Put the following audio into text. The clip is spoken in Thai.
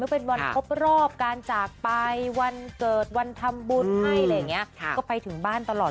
เป็นวันครบรอบการจากไปวันเกิดวันทำบุญให้อะไรอย่างนี้ก็ไปถึงบ้านตลอด